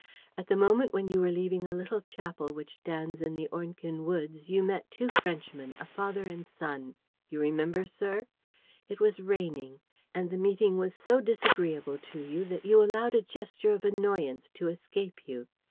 At the moment when you were leaving a little chapel which stands in the Ornequin woods, you met two Frenchmen, a father and son you remember, sir? It was raining and the meeting was so disagreeable to you that you allowed a gesture of annoyance to escape you.